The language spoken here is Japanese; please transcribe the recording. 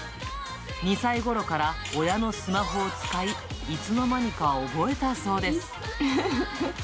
２歳ごろから、親のスマホを使い、いつの間にか覚えたそうです。